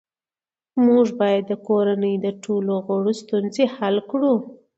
موږ باید د کورنۍ د ټولو غړو ستونزې حل کړو